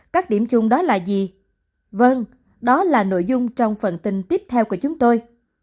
các điểm chung đó là gì vâng đó là nội dung trong phần tin tiếp theo của chúng tôi